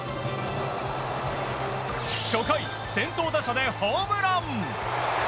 初回、先頭打者でホームラン。